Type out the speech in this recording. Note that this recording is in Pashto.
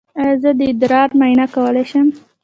ایا زه د ادرار معاینه کولی شم؟